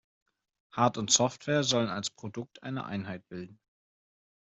Hard- und Software sollen als Produkt eine Einheit bilden.